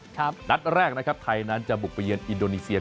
นะตรกแรกไทยนั้นจะบุคเบียนอินโดนีเซีย